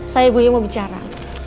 saya ibunya mau bicara